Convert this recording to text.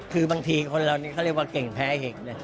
คือบางทีคนเรานี่เขาเรียกว่าเก่งแพ้เห็กเลย